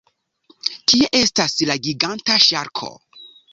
Kie estas la giganta ŝarko?